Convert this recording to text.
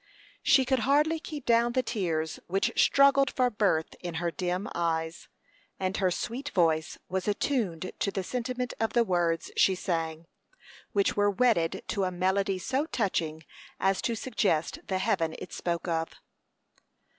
She could hardly keep down the tears which struggled for birth in her dim eyes, and her sweet voice was attuned to the sentiment of the words she sang, which were wedded to a melody so touching as to suggest the heaven it spoke of.